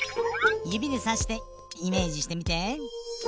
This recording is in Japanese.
ゆびでさしてイメージしてみて。